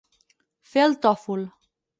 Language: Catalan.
Fer el tòfol.